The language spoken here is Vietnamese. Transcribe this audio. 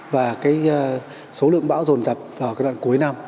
và số lượng bão rồn rập vào đoạn cuối năm